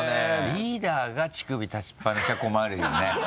リーダーが乳首立ちっぱなしは困るよね？